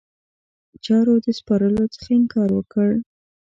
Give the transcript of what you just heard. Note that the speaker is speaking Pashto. چارو د سپارلو څخه انکار وکړ.